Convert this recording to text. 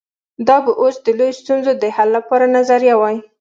دا به اوس د لویو ستونزو د حل لپاره نظریه وای.